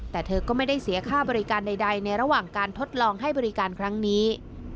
แต่เธอก็ไม่ได้เสียค่าบริการใดในระหว่างการทดลองให้บริการครั้งนี้